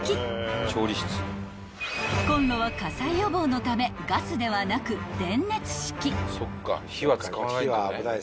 ［コンロは火災予防のためガスではなく電熱式］